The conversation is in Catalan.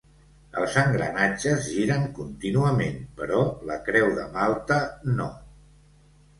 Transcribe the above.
Els engranatges giren contínuament, però la creu de Malta, no.